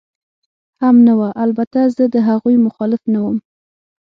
هم نه وه، البته زه د هغوی مخالف نه ووم.